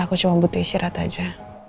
aku cuma butuh istirahat aja